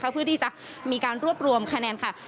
เพื่อที่จะมีการรวบรวมคะแนนค่ะ